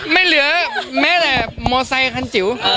ไม่เหลือแม่แหล่บโมไซคันจิ๋ว